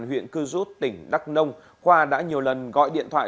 huyện cư rút tỉnh đắk nông khoa đã nhiều lần gọi điện thoại